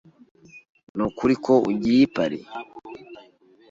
Nukuri ko ugiye i Paris?